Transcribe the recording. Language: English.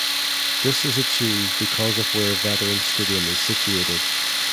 This is achieved because of where Veterans Stadium is situated.